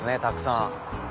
たくさん。